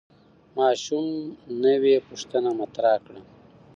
ماشوم نوې پوښتنه مطرح کړه